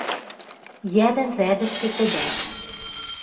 Йӓлӹн рядӹштӹ тӹдӓт